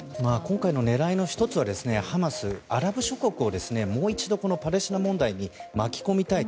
今回の狙いの１つはハマス、アラブ諸国をもう一度、パレスチナ問題に巻き込みたい。